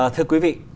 thưa quý vị